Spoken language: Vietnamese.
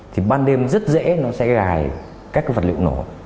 thì ban đêm rất dễ nó sẽ gai các vật liệu nổ